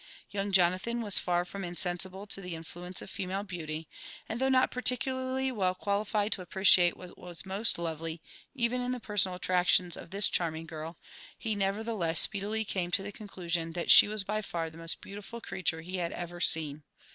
Young Jonathan was far from insensible to the inQuence of female beauty ; and though not particularly well qualified to appreciate what was most lovely even in the personal attractions of this charming girl, he never theless speedily came to the conclusion that she was by far the most beautiful creature he had ever seen.